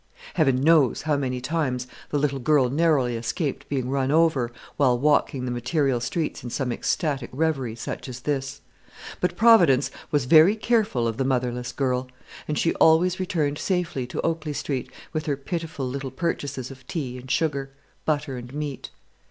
Heaven knows how many times the little girl narrowly escaped being run over while walking the material streets in some ecstatic reverie such as this; but Providence was very careful of the motherless girl, and she always returned safely to Oakley Street with her pitiful little purchases of tea and sugar, butter and meat.